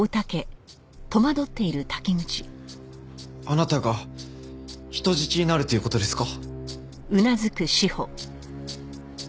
あなたが人質になるという事ですか？